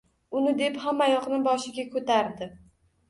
Uni deb hammayoqni boshiga koʻtardi